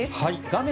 画面